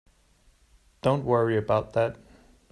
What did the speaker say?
Don't worry about that.